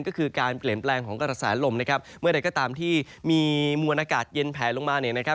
ก็คือการเปลี่ยนแปลงของกระสานลมเมื่อเด็ดก็ตามที่มีมวลอากาศเย็นแผลลงมา